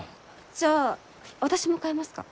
じゃあ私も買えますか？